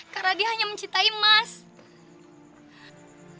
karena dia hanya mencintai saya